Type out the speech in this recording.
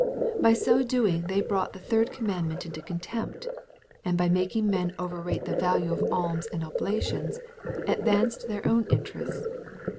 By so doing they brought the third conamandment into contempt— and by making men overrate the value of alms and oblations, advanced their own interests.